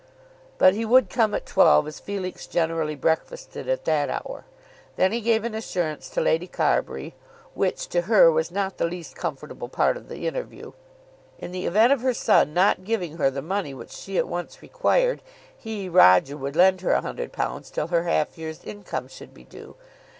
But he would come at twelve as Felix generally breakfasted at that hour. Then he gave an assurance to Lady Carbury which to her was not the least comfortable part of the interview. In the event of her son not giving her the money which she at once required he, Roger, would lend her a hundred pounds till her half year's income should be due.